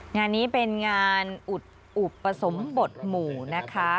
งานนี้เป็นงานอุดอุปสมบทหมู่นะคะ